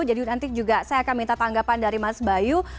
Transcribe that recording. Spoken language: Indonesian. jadi nanti juga saya akan minta tanggapan dari mas bayu